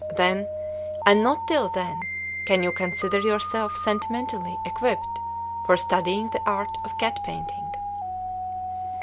Then, and not till then, can you consider yourself sentimentally equipped for studying the art of cat painting."